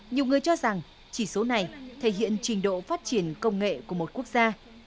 nhiều người cho rằng chỉ số này thể hiện trình độ phát triển công nghệ của một quốc gia